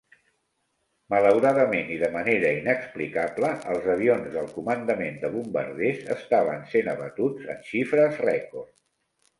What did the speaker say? Malauradament i de manera inexplicable, els avions del Comandament de Bombarders estaven sent abatuts en xifres rècord.